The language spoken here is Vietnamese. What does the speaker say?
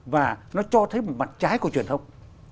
và nó cho thấy một mặt trái của truyền thông